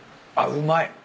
あっうまい。